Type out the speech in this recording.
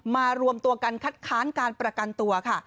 รวมตัวกันคัดค้านการประกันตัวค่ะ